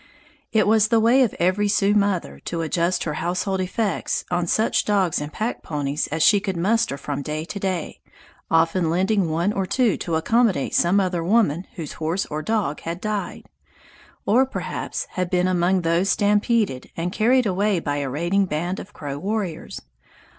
It was the way of every Sioux mother to adjust her household effects on such dogs and pack ponies as she could muster from day to day, often lending one or two to accommodate some other woman whose horse or dog had died, or perhaps had been among those stampeded and carried away by a raiding band of Crow warriors.